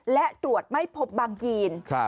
และตรวจไม่พบบางยีน